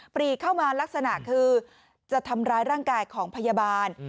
ปรีเข้ามาลักษณะคือจะทำร้ายร่างกายของพยาบาล